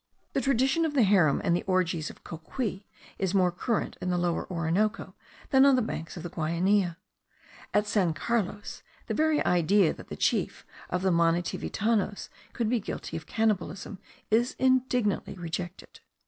The tradition of the harem and the orgies of Cocuy is more current in the Lower Orinoco than on the banks of the Guainia. At San Carlos the very idea that the chief of the Manitivitanos could be guilty of cannibalism is indignantly rejected.